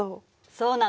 そうなの。